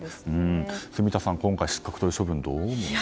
住田さん、今回の失格という処分をどう見ますか？